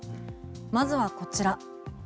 まずはこちら。